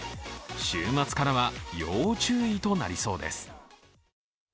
週末からは要注意となりそうです。